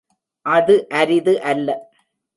அது அரிது அல்ல.